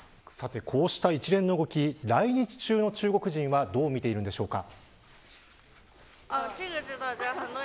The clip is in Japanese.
こうした一連の動きに来日中の中国人はどう見ているんでしょうか。